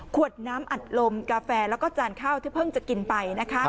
ขวดน้ำอัดลมกาแฟแล้วก็จานข้าวที่เพิ่งจะกินไปนะคะ